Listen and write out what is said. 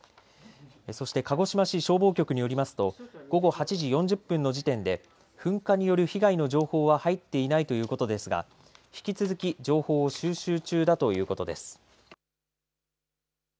そして鹿児島市消防局によりますと午後８時４０分の時点で噴火による被害の情報は入っていないということですが引き続き情報を収集中だということです。